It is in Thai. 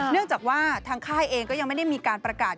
เนื่องจากว่าทางค่ายเองก็ยังไม่ได้มีการประกาศ